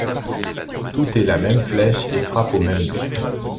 Tout est la même flèche et frappe au même but.